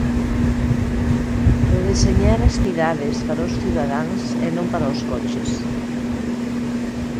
Redeseñar as cidades para os cidadáns e non para os coches.